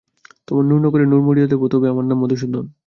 তোমার নুরনগরের নুর মুড়িয়ে দেব তবে আমার নাম মধূসূদন।